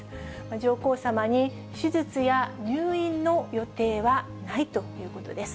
上皇さまに手術や入院の予定はないということです。